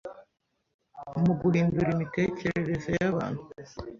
mu guhindura imitekerereze y’abantu